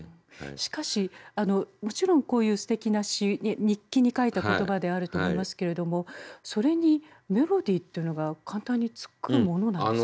しかしもちろんこういうすてきな詩日記に書いた言葉であると思いますけれどもそれにメロディーっていうのが簡単につくものなんですか？